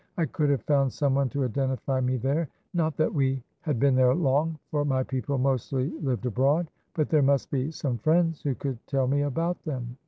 'I could have found someone to identify me there; not that we had been there long, for my people mostly lived abroad, but there must be some friends who could tell me about them.'